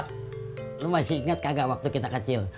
rat kamu masih ingat tidak waktu kita kecil